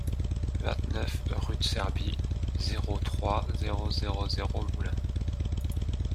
vingt-neuf rue de Serbie, zéro trois, zéro zéro zéro, Moulins